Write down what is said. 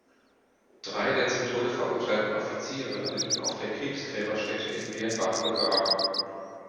Drei der zum Tode verurteilten Offiziere liegen auf der Kriegsgräberstätte in Birnbach begraben.